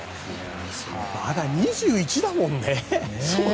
まだ２１だもんね。